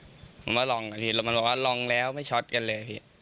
มันบอกว่าลองกันพี่มันบอกว่าลองแล้วไม่ชอตกันเลย